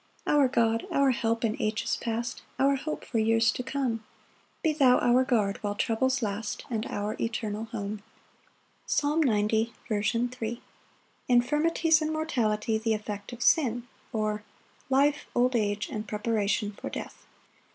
] 9 Our God, our help in ages past, Our hope for years to come, Be thou our guard while troubles last, And our eternal home. Psalm 90:3. 8 11 9 10 12. 2d Part. C. M. Infirmities and mortality the effect of sin; or, Life, old age, and preparation for death.